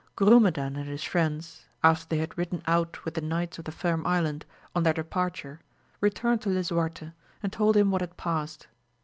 Grumedan and his friends, after they had ridden out with the knights of the Firm Island on their de VOL. n. \^ 146 AMADIS OF GAUL. parture, returned to Lisuarte, and told him what had passed.